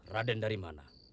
raden dari mana